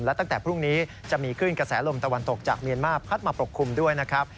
และตั้งแต่พรุ่งนี้จะมีคลื่นกระแสลมตะวันตกจากเมียนมาร์พัดมาปกคลุมด้วยนะครับ